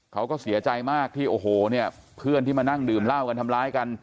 เขาก็เสียใจมากที่โอ้โหเนี่ยเพื่อนที่มานั่งดื่มเหล้ากันทำร้ายกัน